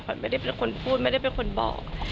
ไม่ได้เป็นคนพูดไม่ได้เป็นคนบอก